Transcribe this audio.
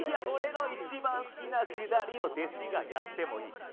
俺の一番好きなくだりを弟子がやってもいい。